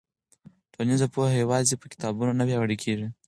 ټولنیز پوهه یوازې په کتابونو نه پیاوړې کېږي.